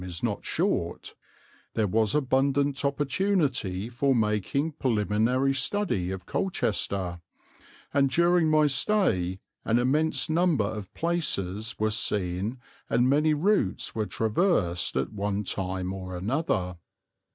is not short there was abundant opportunity for making preliminary study of Colchester, and during my stay an immense number of places were seen and many routes were traversed at one time or another.